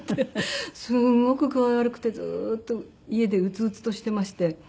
すごく具合悪くてずーっと家でうつうつとしていまして。